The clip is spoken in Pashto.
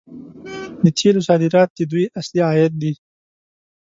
د تیلو صادرات د دوی اصلي عاید دی.